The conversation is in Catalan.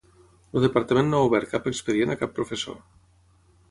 El departament no ha obert cap expedient a cap professor.